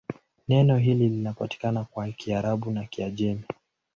Neno hili linapatikana kwa Kiarabu na Kiajemi.